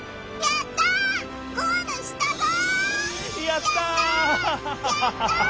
やったぞ！